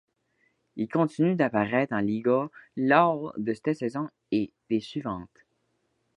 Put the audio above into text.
Il continue d'apparaître en Liga lors de cette saison et des suivantes.